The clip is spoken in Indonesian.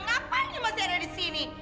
ngapain lo masih ada disini